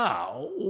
「お！